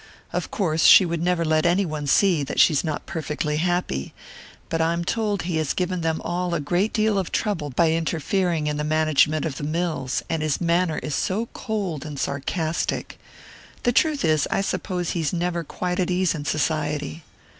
Of course she would never let any one see that she's not perfectly happy; but I'm told he has given them all a great deal of trouble by interfering in the management of the mills, and his manner is so cold and sarcastic the truth is, I suppose he's never quite at ease in society.